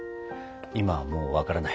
今はもう分からない。